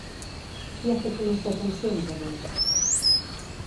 Qui ha fet unes detencions avui?